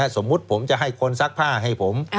สมมุติผมจะให้คนซักผ้าให้ผม